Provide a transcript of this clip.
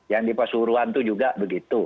yang di pesuruhan tuh juga begitu